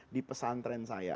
di pesantren saya